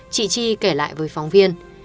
chị chi kể lại với phóng viên